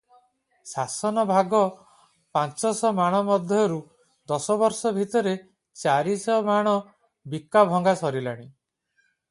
ଶାସନ ଭାଗ ପାଞ୍ଚଶ ମାଣ ମଧ୍ୟରୁ ଦଶ ବର୍ଷ ଭିତରେ ଚାରିଶ ମାଣ ବିକା ଭଙ୍ଗା ସରିଲାଣି ।